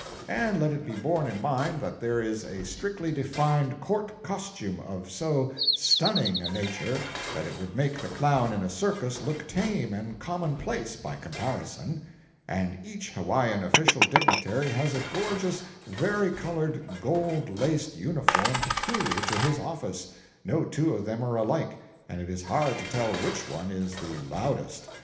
And let it be borne in mind that there is a strictly defined "court costume" of so "stunning" a nature that it would make the clown in a circus look tame and commonplace by comparison; and each Hawaiian official dignitary has a gorgeous vari colored, gold laced uniform peculiar to his office—no two of them are alike, and it is hard to tell which one is the "loudest."